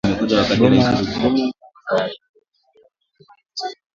Goma nyama ya ngombe iko beyi chini